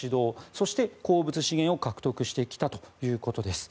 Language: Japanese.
そして、鉱物資源を獲得してきたということです。